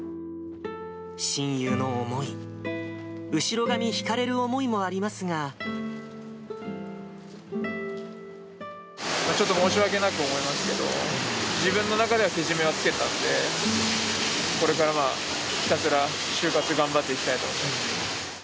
親友の思い、ちょっと申し訳なく思いますけど、自分の中ではけじめをつけたんで、これからはひたすら就活頑張っていきたいと思います。